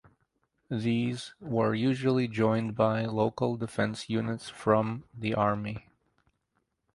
These were usually joined by local defence units from the army.